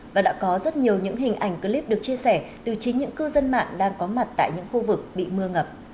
và đã có rất nhiều những hình ảnh clip được chia sẻ từ chính những cư dân mạng đang có mặt tại những khu vực bị mưa ngập